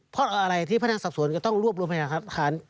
เพราะอะไรที่พนักศัพท์สวนต้องรวบรวมพันธ์ยากฐาน